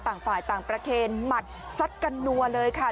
ต่างฝ่ายต่างประเคนหมัดซัดกันนัวเลยค่ะ